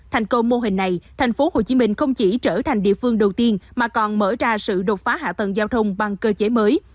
thành công mô hình này thành phố hồ chí minh không chỉ trở thành địa phương đầu tiên mà còn mở ra sự đột phá hạ tầng giao thông bằng cơ chế mới